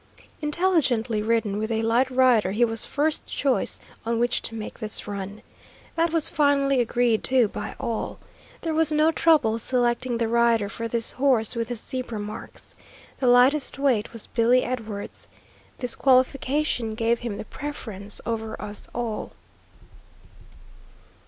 Intelligently ridden with a light rider he was First Choice on which to make this run. That was finally agreed to by all. There was no trouble selecting the rider for this horse with the zebra marks. The lightest weight was Billy Edwards. This qualification gave him the preference over us all.